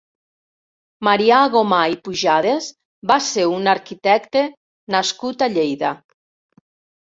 Marià Gomà i Pujades va ser un arquitecte nascut a Lleida.